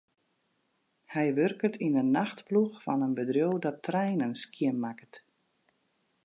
Hy wurket yn 'e nachtploech fan in bedriuw dat treinen skjinmakket.